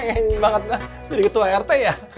pengen banget jadi ketua rt ya